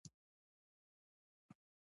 هغه ماته یو ډول ډاډ راکړ.